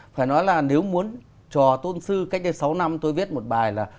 phải nói là nếu muốn trò tôn sư cách đây sáu năm tôi viết một bài là